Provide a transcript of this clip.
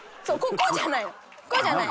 こうじゃない。